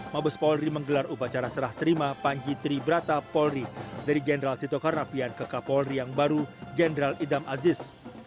mabes polri menggelar upacara serat terima panji teribata polri dari jenderal tito karnavian ke kak polri yang baru jenderal ida mazis